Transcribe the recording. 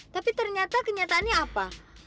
tapi ternyata kenyataannya apa